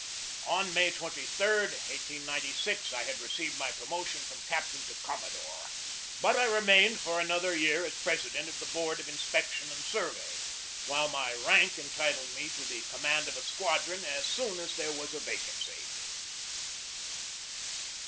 On May 23, 1896, I had received my promotion from captain to commodore, but I remained for an other year as president of the board of inspection and survey, while my rank entitled me to the com mand of a squadron as soon as there was a vacancy.